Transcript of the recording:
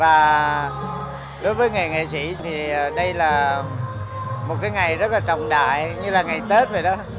và đối với nghề nghệ sĩ thì đây là một cái ngày rất là trọng đại như là ngày tết vậy đó